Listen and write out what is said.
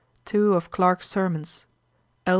2 of Clark's Sermons. L.